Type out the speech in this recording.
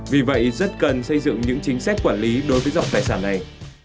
vì vậy rất cần xây dựng những chính sách quản lý đối với dòng tài sản này